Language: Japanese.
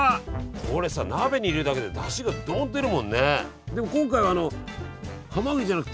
これさ鍋に入れるだけでだしがどんと出るもんね。